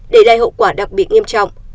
để đai hậu quả đặc biệt nghiêm trọng